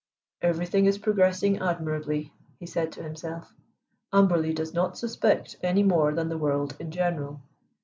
"Everything is progressing admirably," he said to himself. "Amberley does not suspect any more than the world in general.